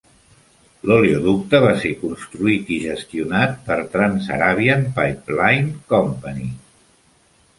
L'oleoducte va ser construït i gestionat per Trans-Arabian Pipeline Company.